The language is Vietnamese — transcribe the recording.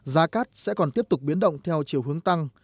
giá cát sẽ còn tiếp tục biến động theo chiều hướng tăng